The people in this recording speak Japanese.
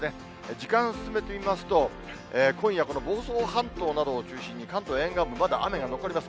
時間を進めてみますと、今夜この房総半島などを中心に関東沿岸部、まだ雨が残ります。